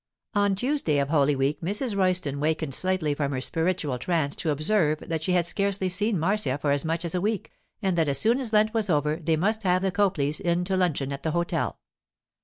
On Tuesday of Holy Week Mrs. Royston wakened slightly from her spiritual trance to observe that she had scarcely seen Marcia for as much as a week, and that as soon as Lent was over they must have the Copleys in to luncheon at the hotel.